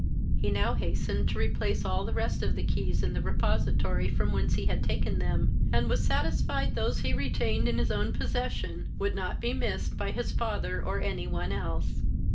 He now hastened to replace all the rest of the keys in the repository from whence he had taken them, and was satisfied those he retained in his own possession would not be missed by his father or any one else.